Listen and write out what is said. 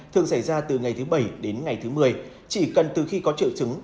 thường xảy ra từ ngày thứ bảy đến ngày thứ mười chỉ cần từ khi có triệu chứng